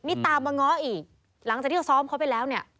นี่ตามมาง้ออีกหลังจากที่เขาซ้อมเขาไปแล้วเนี่ย